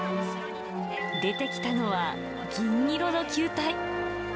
出てきたのは銀色の球体。